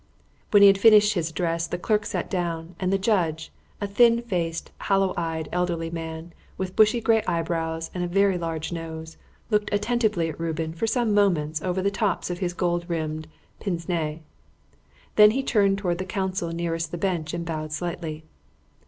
When he had finished his address the clerk sat down, and the judge, a thin faced, hollow eyed elderly man, with bushy grey eyebrows and a very large nose, looked attentively at Reuben for some moments over the tops of his gold rimmed pince nez. Then he turned towards the counsel nearest the bench and bowed slightly.